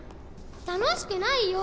楽しくないよ！